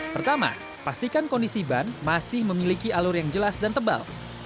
pertama pastikan kondisi ban masih memiliki alur yang jelas dan tebal